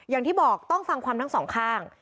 อย่างที่บอกต้องฟังความทั้งสองข้าง